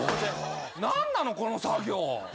何なのこの作業。